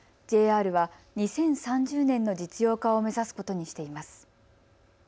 ＪＲは２０３０年の実用化を目指すことにしています。